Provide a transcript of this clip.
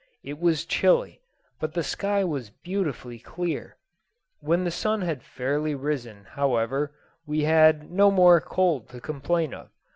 It was chilly, but the sky was beautifully clear. When the sun had fairly risen, however, we had no more cold to complain of.